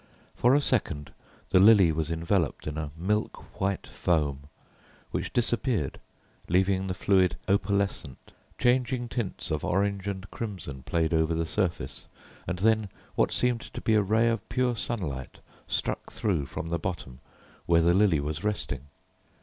For a second the lily was enveloped in a milk white foam, which disappeared, leaving the fluid opalescent. Changing tints of orange and crimson played over the surface, and then what seemed to be a ray of pure sunlight struck through from the bottom where the lily was resting.